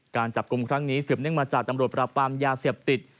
การจับกลุ่มครั้งนี้สืบเนื่องมาจากตำรวจปราบปรามยาเสพติด